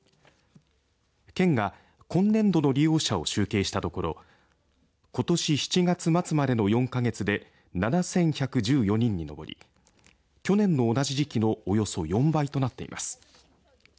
県が今年度の利用者を集計したところことし７月末までの４か月で７１１４人に上り去年の同じ時期のおよそ４倍となっています。